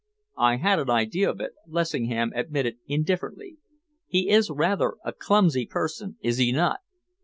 "I had an idea of it," Lessingham admitted indifferently. "He is rather a clumsy person, is he not?"